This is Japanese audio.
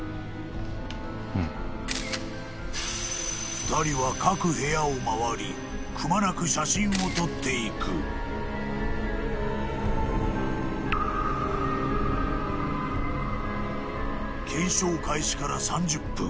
２人は各部屋を回りくまなく写真を撮っていく検証開始から３０分